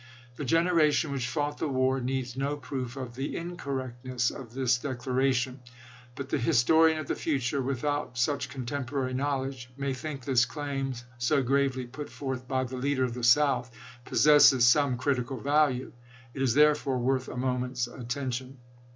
The gen eration which fought the war needs no proof of the incorrectness of this declaration ; but the his torian of the future, without such contemporary knowledge, may think this claim, so gravely put forth by the leader of the South, possesses some critical value. It is therefore worth a moment's attention.